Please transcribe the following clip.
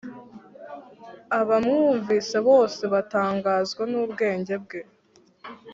Abamwumvise bose batangazwa n’ ubwenge bwe